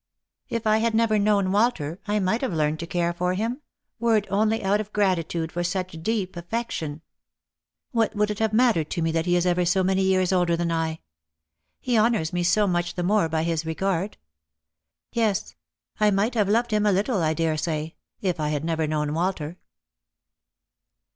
" If I had never known Walter I might have learnt to care for him, were it only out of gratitude for such deep affection. What would it have mattered to me that he is ever so many years older than I ? He honours me so much the more by his regard. Yes, I might have loved him a little, I daresay, if I had never known Walter."